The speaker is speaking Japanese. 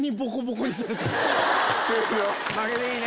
負けでいいね。